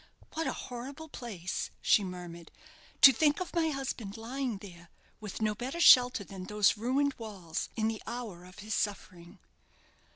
"What a horrible place!" she murmured. "To think of my husband lying there with no better shelter than those ruined walls in the hour of his suffering."